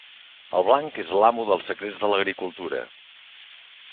El blanc és l'amo dels secrets de l'agricultura.